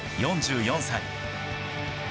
４４歳。